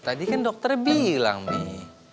tadi kan dokter bilang nih